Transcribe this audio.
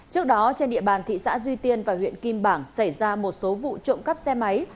trước đó trên địa bàn thị xã duy tiên và huyện kim bảng xảy ra một số vụ trộm cắp xe máy